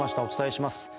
お伝えします。